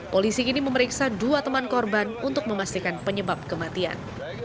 polisi kini memeriksa dua teman korban untuk memastikan penyebab kematian